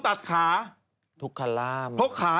ตามขอคือต้องตัดขา